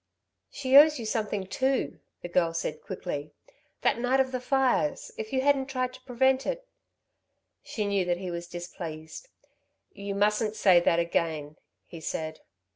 "She owes you something, too," the girl said quickly, "that night of the fires if you hadn't tried to prevent it " She knew that he was displeased. "You mustn't say that again," he said.